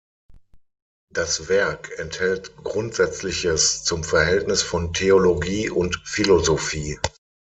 Das Werk enthält Grundsätzliches zum Verhältnis von Theologie und Philosophie.